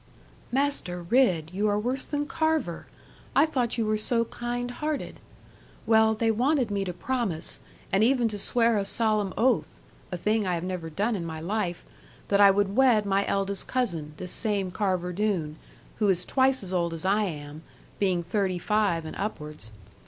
'Master Ridd, you are worse than Carver! I thought you were so kind hearted. Well, they wanted me to promise, and even to swear a solemn oath (a thing I have never done in my life) that I would wed my eldest cousin, this same Carver Doone, who is twice as old as I am, being thirty five and upwards.